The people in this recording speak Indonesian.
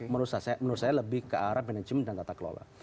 menurut saya lebih ke arah manajemen dan tata kelola